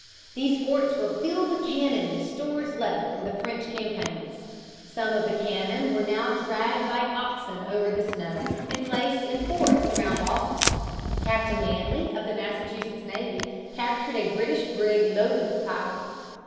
These forts were filled with cannon and stores left from the French campaigns. Some of the cannon were now dragged by oxen over the snow and placed in the forts around Boston. Captain Manley, of the Massachusetts navy, captured a British brig loaded with powder.